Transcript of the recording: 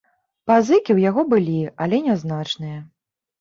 Пазыкі ў яго былі, але нязначныя.